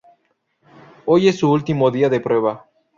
Hoy es su último día de prueba.